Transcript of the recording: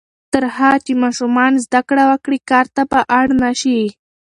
تر هغه چې ماشومان زده کړه وکړي، کار ته به اړ نه شي.